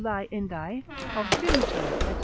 indae, of fumitory, &c.